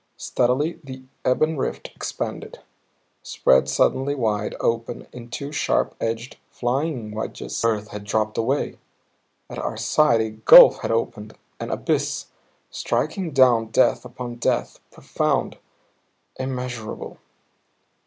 Steadily the ebon rift expanded; spread suddenly wide open in two sharp edged, flying wedges Earth had dropped away. At our side a gulf had opened, an abyss, striking down depth upon depth; profound; immeasurable.